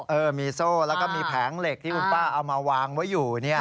เออมีโซ่แล้วก็มีแผงเหล็กที่คุณป้าเอามาวางไว้อยู่